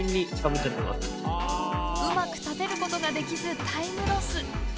うまく立てることができずタイムロス。